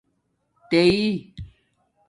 تیئئ